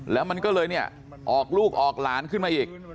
แล้วมันก็เลยเนี่ยออกลูกออกหลานขึ้นมาอีก